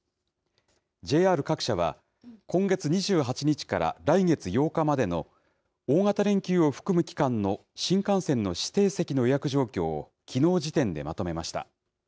ＪＲ各社は、今月２８日から来月８日までの大型連休を含む期間の新幹線の指定席の予約状況をきのう時点でまとめました。